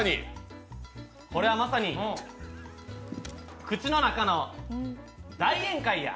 これはまさに、口の中の大宴会や。